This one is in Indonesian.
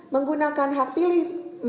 menggunakan hak pilih